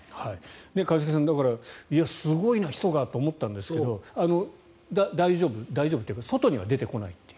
一茂さん、だからすごいなヒ素がと思ったんですが大丈夫というか外には出てこないという。